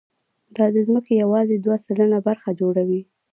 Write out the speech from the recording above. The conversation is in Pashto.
دا د ځمکې یواځې دوه سلنه برخه جوړوي.